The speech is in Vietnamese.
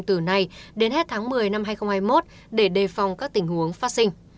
từ nay đến hết tháng một mươi năm hai nghìn hai mươi một để đề phòng các tình huống phát sinh